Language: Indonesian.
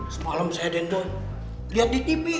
semalam saya den boy lihat di tv